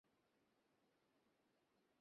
কিন্তু সব শক্তিরই যথার্থ আধার সূক্ষ্ম।